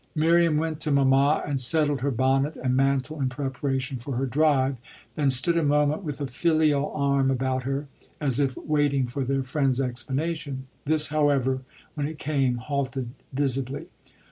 Miriam went to mamma and settled her bonnet and mantle in preparation for her drive, then stood a moment with a filial arm about her and as if waiting for their friend's explanation. This, however, when it came halted visibly.